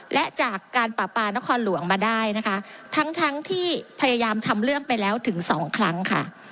และจากการปราปานครหลวงมาได้นะคะทั้งทั้งที่พยายามทำเรื่องไปแล้วถึงสองครั้งค่ะ